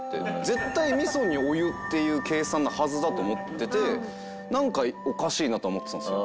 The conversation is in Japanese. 絶対味噌にお湯っていう計算のはずだと思っててなんかおかしいなと思ってたんですよ。